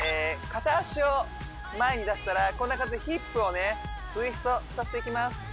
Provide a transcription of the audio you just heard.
片脚を前に出したらこんな感じでヒップをねツイストさせていきます